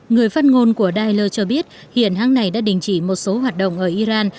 người phát ngôn của dailer cho biết hiện hãng này đã đình chỉ một số hoạt động ở iran